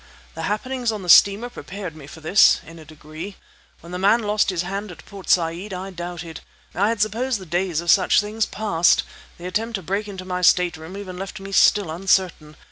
The happenings on the steamer prepared me for this, in a degree. When the man lost his hand at Port Said I doubted. I had supposed the days of such things past. The attempt to break into my stateroom even left me still uncertain.